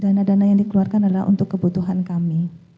dan dana dana yang dikeluarkan adalah untuk kebutuhan kami